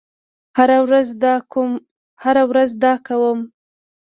هره ورځ دا کوم